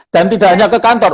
dan tidak hanya ke kantor